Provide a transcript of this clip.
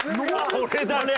これだね。